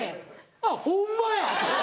あっホンマや！